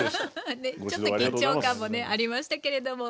ちょっと緊張感もねありましたけれども。